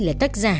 là tác giả